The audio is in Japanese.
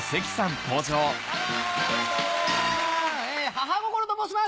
母心と申します。